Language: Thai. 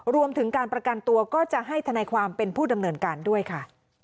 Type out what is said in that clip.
รวมถึงการประกันตัวก็จะให้ทนายความเป็นผู้ดำเนินการด้วยค่ะ